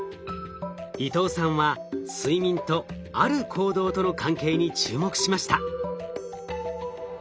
伊藤さんは睡眠とある行動との関係に注目しました。